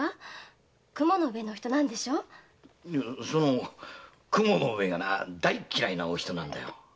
うんその雲の上が大嫌いなお人なんだよ。